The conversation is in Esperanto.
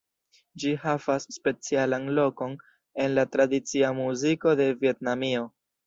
Ĝi havas specialan lokon en la tradicia muziko de Vjetnamio.